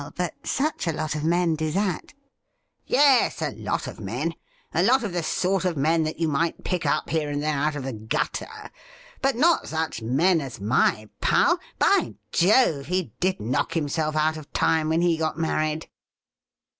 ' Well, but such a lot of men do that.'' ' Yes, a lot of men — a lot of the sort of men that you might pick up here and there out of the gutter ; but not such men as my pal. By Jove ! he did knock himself out of time when he got married.'